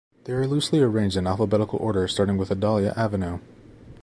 They are loosely arranged in alphabetical order starting with Adalia Avenue.